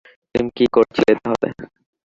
তুমি কি করছিলে তাহলে?